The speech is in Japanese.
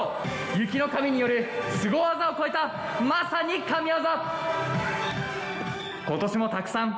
雪の神によるスゴワザを超えたまさに神業。